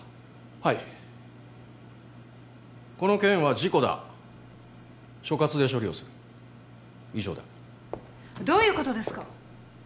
はいこの件は事故だ所轄で処理をする以上だどういうことですか！？